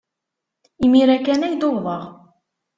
Imir-a kan ay d-uwḍeɣ.